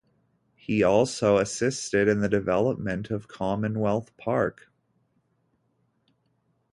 He also assisted in the development of Commonwealth Park.